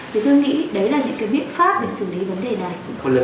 thì tôi nghĩ đấy là những cái biện pháp để xử lý vấn đề này